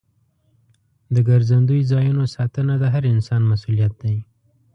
د ګرځندوی ځایونو ساتنه د هر انسان مسؤلیت دی.